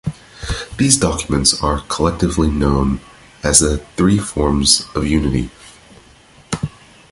These documents are collectively known as "The Three Forms of Unity".